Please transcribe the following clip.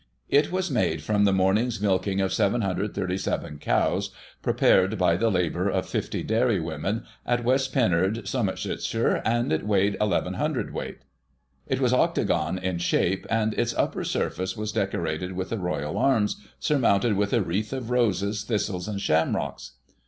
It was made from the morning's milking of 737 cows, prepared by the labour of 50 dairy women, at West Pennard, Somersetshire, and it weighed 11 cwt. It was octagon in shape, and its upper surface was decorated with the Royal Arms, surmounted with a wreath of roses, thistles and shamrocks.